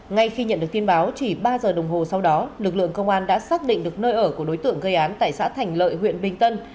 ngay khi nhận được tin báo chỉ ba giờ đồng hồ sau đó lực lượng công an đã xác định được nơi ở của đối tượng gây án tại xã thành lợi huyện bình tân